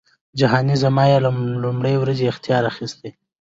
جهانی زما یې له لومړۍ ورځی اختیار اخیستی